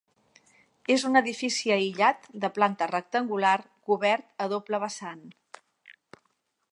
És un edifici aïllat de planta rectangular cobert a doble vessant.